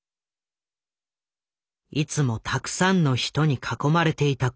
いつもたくさんの人に囲まれていた小松。